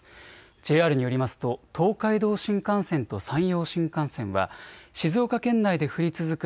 ＪＲによりますと東海道新幹線と山陽新幹線は静岡県内で降り続く